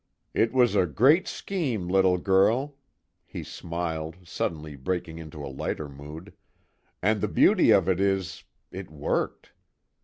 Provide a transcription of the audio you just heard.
"It was a great scheme, little girl," he smiled, suddenly breaking into a lighter mood, "And the beauty of it is it worked.